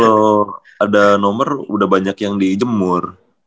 kalau ada nomor udah banyak yang dijemur